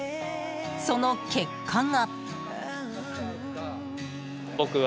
その結果が。